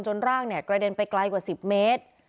จนร่างเนี่ยกระเด็นไปไกลกว่าสิบเมตร